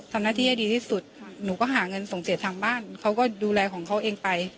ทำหน้าที่ให้ดีที่สุดหนูก็หาเงินส่งเสียทางบ้านเขาก็ดูแลของเขาเองไป